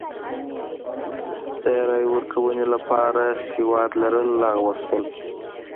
د رایې ورکونې لپاره سواد لرل لغوه شول.